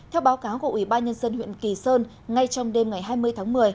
theo báo cáo của ủy ban nhân dân huyện kỳ sơn ngay trong đêm ngày hai mươi tháng một mươi